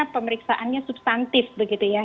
yang tentunya substantif begitu ya